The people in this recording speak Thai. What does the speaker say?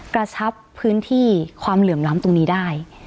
กระชับพื้นที่ความเหลื่อมล้ำตรงนี้ได้